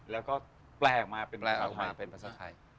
แล้วก็แปลออกมาเป็นภาษาไทย